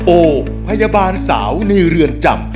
โอพยาบาลสาวในเรือนจำ